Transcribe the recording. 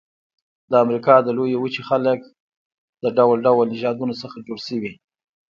د امریکا د لویې وچې خلک د ډول ډول نژادونو څخه جوړ شوي.